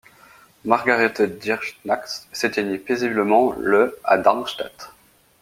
Margarete Dierks-Nax s'éteignit paisiblement le à Darmstadt.